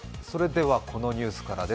このニュースからです。